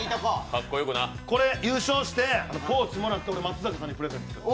これ、優勝してポーチもらって松坂さんにプレゼントする！